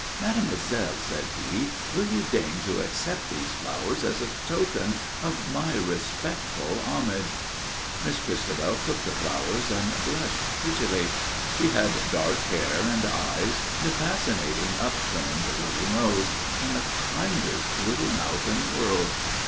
"Mademoiselle," said he, "will you deign to accept these flowers as a token of my respectful homage?" Miss Christabel took the flowers and blushed prettily. She had dark hair and eyes and a fascinating, upturned little nose, and the kindest little mouth in the world.